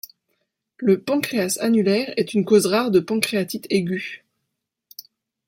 Le pancréas annulaire est une cause rare de pancréatite aiguë.